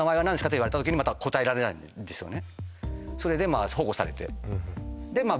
言われた時に答えられないんですよね